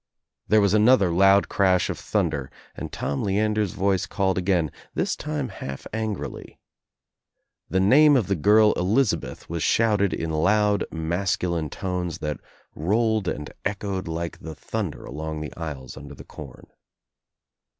There was another loud crash of thunder and Tom Leander's voice called again, this time half angrily. The name of the girl Elizabeth was shouted in loud masculine tones that rolled and echoed like the thunder along^ the aisles under the corn.